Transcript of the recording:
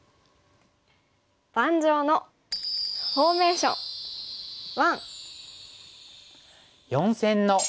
「盤上のフォーメーション１」。